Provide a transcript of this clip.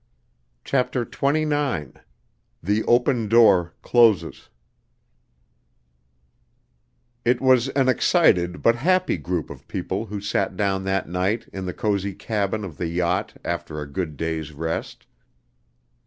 CHAPTER XXIX The Open Door Closes It was an excited but happy group of people who sat down that night in the cozy cabin of the yacht after a good day's rest.